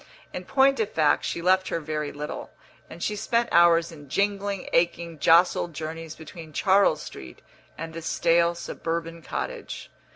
In point of fact, she left her very little, and she spent hours in jingling, aching, jostled journeys between Charles Street and the stale suburban cottage.